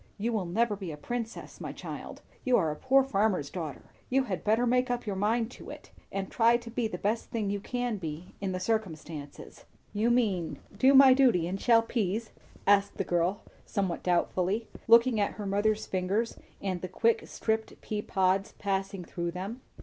"You will never be a princess, my child. You are a poor farmer's daughter. You had better make up your mind to it, and try to be the best thing you can in the circumstances." "You mean, do my duty and shell peas?" asked the girl somewhat doubtfully, looking at her mother's fingers and the quick stripped pea pods passing through them.